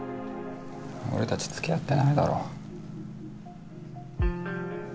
俺たちつきあってないだろ？